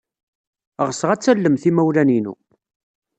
Ɣseɣ ad tallemt imawlan-inu.